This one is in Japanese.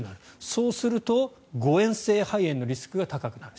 そうすると誤嚥性肺炎のリスクが高くなる。